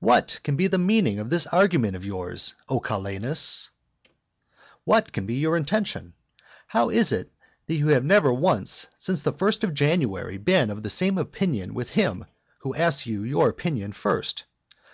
What can be the meaning of this argument of yours, O Calenus? what can be your intention? How is it that you have never once since the first of January been of the same opinion with him who asks you your opinion first?